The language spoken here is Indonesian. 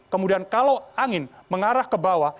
kemudian kalau angin mengarah ke bawah